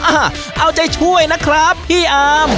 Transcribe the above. อ่ะเอาใจช่วยนะครับพี่อาร์ม